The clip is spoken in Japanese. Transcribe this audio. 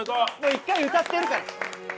一回歌ってるから。